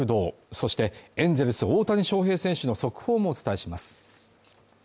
そしてエンゼルス大谷翔平選手の速報もお伝えします。